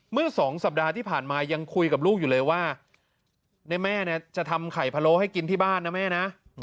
เมื่อ๒สัปดาห์ที่ผ่านมายังคุยกับลูกอยู่เลยว่าแม่จะทำไข่พะโล้ให้กินที่บ้านนะแม่นะ